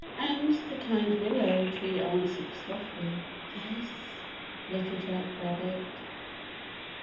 And the kind willow tree answered softly: "Yes, Little Jack Rabbit."